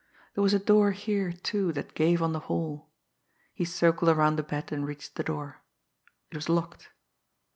There was a door here, too, that gave on the hall. He circled around the bed and reached the door. It was locked.